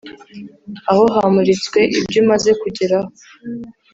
aho hamuritswe ibyo umaze kugeraho